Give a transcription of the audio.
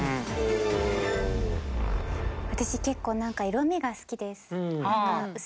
私結構何か色みが好きです。